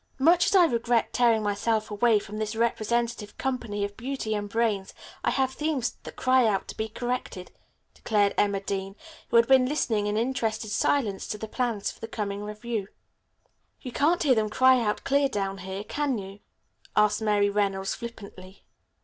"Much as I regret tearing myself away from this representative company of beauty and brains, I have themes that cry out to be corrected," declared Emma Dean, who had been listening in interested silence to the plans for the coming revue. "You can't hear them cry out clear down here, can you?" asked Mary Reynolds flippantly.